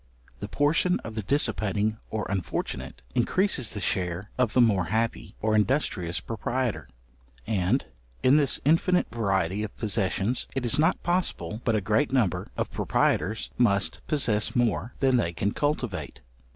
The portion of the dissipating or unfortunate, increases the share of the more happy or industrious proprietor; and in this infinite variety of possessions, it is not possible but a great number of proprietors must possess more than they can cultivate.